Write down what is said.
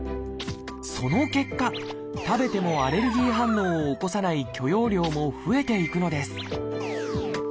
その結果食べてもアレルギー反応を起こさない許容量も増えていくのです